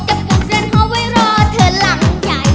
กับคนเกินห้อไว้รอเธอหลังใหญ่